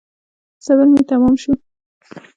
صبر مي تمام شو .